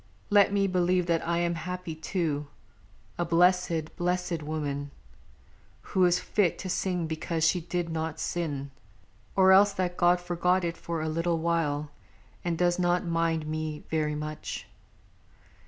Let me believe that I am happy, too. A blessèd blessèd woman, who is fit To sing because she did not sin; or else That God forgot it for a little while And does not mind me very much.